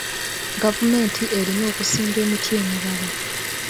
Gavumenti erina okusimba emiti emirala.